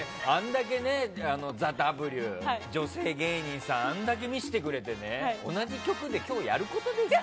「ＴＨＥＷ」で女性芸人さんをあんだけ見せてくれてね同じ局で今日やることですか？